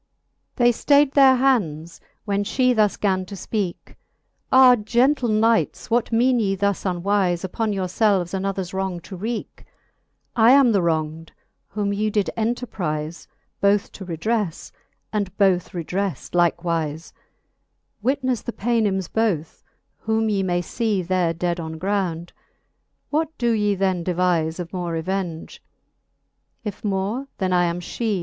XL They ftayd their hands, 'when fhe thus gan to fpeake ; Ah gentle knights, what meane ye thus unwife Upon your felves anothers wrong to wreake ? I am the wrong'd, whom ye did enterprife Both to redreffe, and both redreft likewife : With the Paynims both, whom ye may fee There dead on ground. What do ye then devife Of more revenge ? If more, then I am fhee.